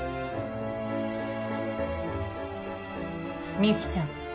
みゆきちゃん